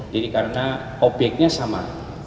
jadi karena obyeknya sama